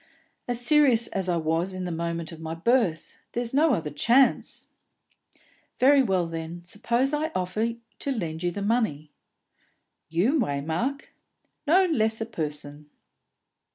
"As serious as I was in the moment of my birth! There's no other chance." "Very well, then, suppose I offer to lend you the money." "You, Waymark?" "No less a person."